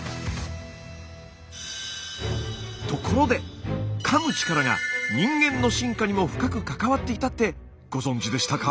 ところでかむ力が人間の進化にも深く関わっていたってご存じでしたか？